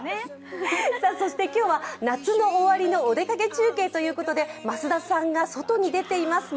そして今日は夏の終わりのお出かけ中継ということで増田さんが外に出ています。